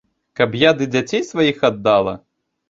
Каб я ды дзяцей сваіх аддала?